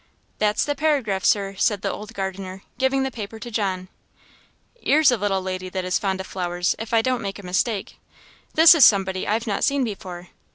"That's the paragraph, Sir," said the old gardener, giving the paper to John. " 'Ere's a little lady that is fond of flowers, if I don't make a mistake; this is somebody I've not seen before?